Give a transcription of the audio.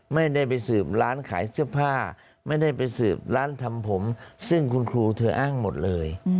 ไม่ได้ไปสืบร้านขายเสื้อผ้าไม่ได้ไปสืบร้านทำผมซึ่งคุณครูเธออ้างหมดเลย